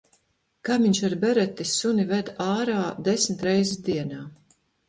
Kaimiņš ar bereti suni ved ārā desmit reizes dienā.